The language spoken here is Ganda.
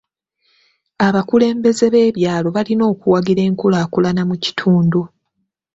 Abakulembeze b'ebyalo balina okuwagira enkulaakulana mu kitundu.